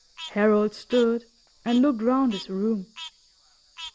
Harold stood and looked round his room.